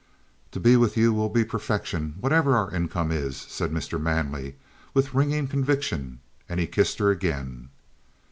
"To be with you will be perfection, whatever our income is," said Mr. Manley, with ringing conviction, and he kissed her again.